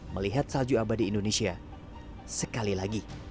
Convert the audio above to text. melihat salju abadi indonesia sekali lagi